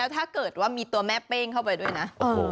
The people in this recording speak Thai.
ถ้าเกิดว่ามีตัวแม่เป้งเข้าไปด้วยนะ